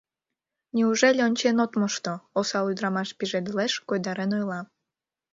Неужели ончен от мошто? — осал ӱдырамаш пижедылеш, койдарен ойла.